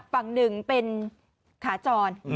ฝั่งหนึ่งเป็นขาจร